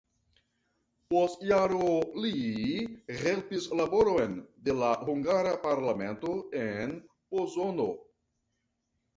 Post jaro li helpis laboron de la hungara parlamento en Pozono.